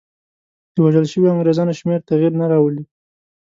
د وژل شویو انګرېزانو شمېر تغییر نه راولي.